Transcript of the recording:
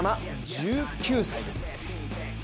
１９歳です